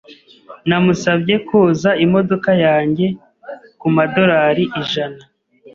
Namusabye koza imodoka yanjye kumadorari ijana.